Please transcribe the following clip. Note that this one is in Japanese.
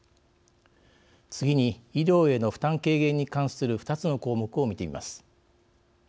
次に、医療への負担軽減に関する２つの項目を見てみます。